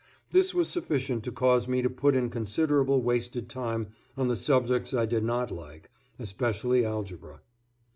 This was sufficient to cause me to put in considerable wasted time on the subjects I did not like, especially algebra.